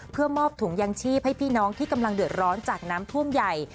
เพื่อมอบถุงยางชีพให้พี่น้องที่กำลังเดือดร้อนจากน้ำท่วมใหญ่